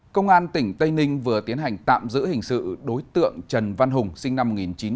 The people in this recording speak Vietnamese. công an tỉnh tây ninh vừa tiến hành tạm giữ hình sự đối tượng trần văn hùng sinh năm một nghìn chín trăm tám mươi